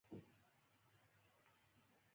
دا پروسه د هیوادونو ترمنځ ترسره کیږي